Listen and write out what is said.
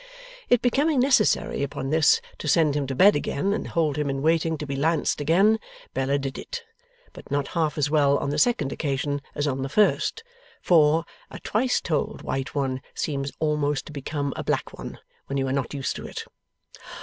It becoming necessary, upon this, to send him to bed again and hold him in waiting to be lanced again, Bella did it. But not half as well on the second occasion as on the first; for, a twice told white one seems almost to become a black one, when you are not used to it.